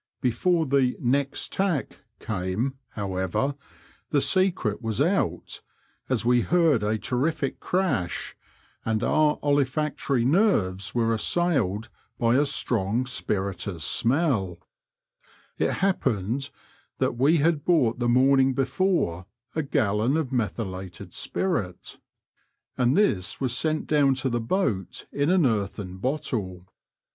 Before the next tack came, however, the secret was out, as we heard a terrific crash, and our olfactory nerves were assailed by a strong spirituous smell. It happened that we had bought the morning before a gallon of methylated Digitized by VjOOQIC ST OLAVES TO YARMOUTH AND ACLE. 53 spirit, and this was sent down to the boat in an earthen bottle.